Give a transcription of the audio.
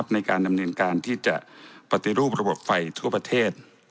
ในการดำเนินการที่จะปฏิรูประบบไฟทั่วประเทศ